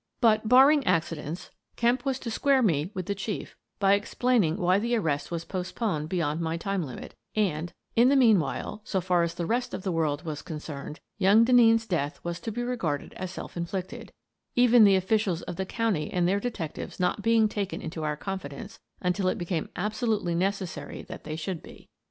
But, barring accidents, Kemp was to square me with the Chief by explaining why the arrest was postponed beyond my time limit and, in the mean We Hunt for Blood stains 115 while, so far as the rest of the world was concerned, young Denneen's death was to be regarded as self inflicted, even the officials of the county and their detectives not being taken into our confidence until it became absolutely necessary that they should be.